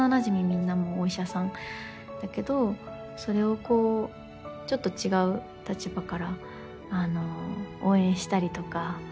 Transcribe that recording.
みんなお医者さんだけどそれをこうちょっと違う立場から応援したりとか。